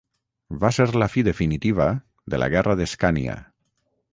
Va ser la fi definitiva de la Guerra d'Escània.